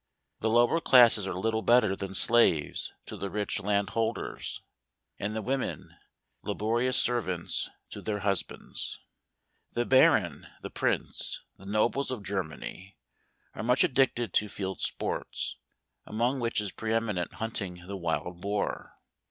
The lower classes are little better than slaves to the rich landholders ; and the women, laborious servants to their hus¬ bands. The baron, the prince, the nobles of Germany, are much addicted to field sports; among which is pre eminent hunting the wild Boar.